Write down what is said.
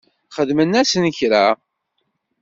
Xedmen-asent kra?